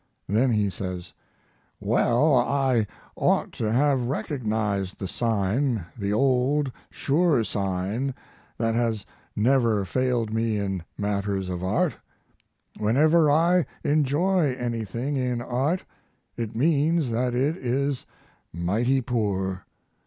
Then he says: Well, I ought to have recognized the sign the old, sure sign that has never failed me in matters of art. Whenever I enjoy anything in art it means that it is mighty poor.